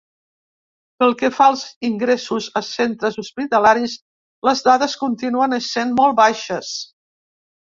Pel que fa als ingressos a centres hospitalaris, les dades continuen essent molt baixes.